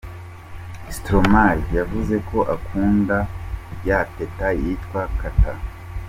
Stromae yavuze ko akunda ya Teta yitwa ‘Kata’.